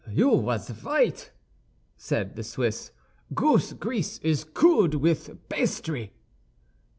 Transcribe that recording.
"You was right," said the Swiss; "goose grease is kood with basdry."